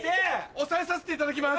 押さえさせていただきます！